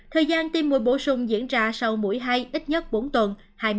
thời gian tiêm mũi bổ sung diễn ra sau mũi hai ít nhất bốn tuần